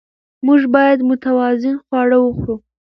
موږ باید متوازن خواړه وخورو